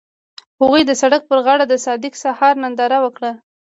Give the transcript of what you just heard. هغوی د سړک پر غاړه د صادق سهار ننداره وکړه.